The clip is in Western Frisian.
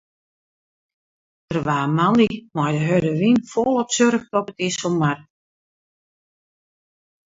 Der waard moandei mei de hurde wyn folop surft op de Iselmar.